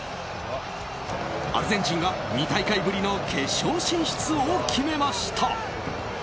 アルゼンチンが２大会ぶりの決勝進出を決めました。